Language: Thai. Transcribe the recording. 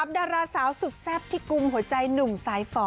ดาราสาวสุดแซ่บที่กุมหัวใจหนุ่มสายฝ่อ